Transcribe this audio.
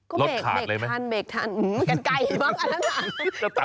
เบรกทานแต่มันกันไกลมั้ย